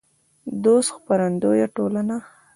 دوست خپرندویه ټولنه